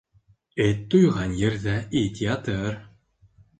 Эт туйған ерҙә ит ятыр.